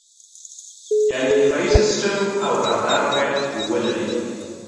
یعنې دفاعي سیستم او رادار باید ولرې.